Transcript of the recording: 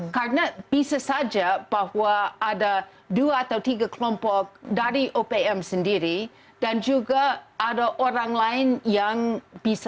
karena bisa saja bahwa ada dua atau tiga kelompok dari opm sendiri dan juga ada orang lain yang bisa